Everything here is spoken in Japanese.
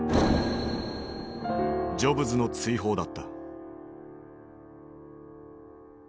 ジョブズの追放だった。